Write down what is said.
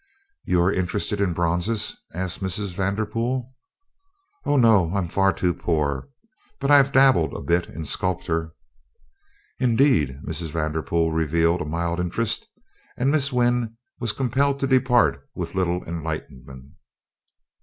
"You are interested in bronzes?" asked Mrs. Vanderpool. "Oh, no; I'm far too poor. But I've dabbled a bit in sculpture." "Indeed?" Mrs. Vanderpool revealed a mild interest, and Miss Wynn was compelled to depart with little enlightenment.